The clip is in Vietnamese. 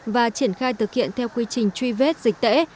và triển khai thực hiện theo quy trình truy vết dịch tễ